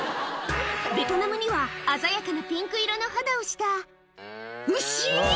ベトナムには鮮やかなピンク色の肌をした牛⁉